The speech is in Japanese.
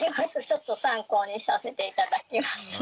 ちょっと参考にさせて頂きます。